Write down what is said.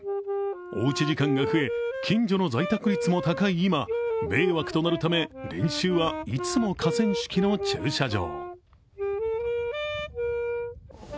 おうち時間が増え、近所の在宅率も高い今、迷惑となるため練習はいつも河川敷の駐車場。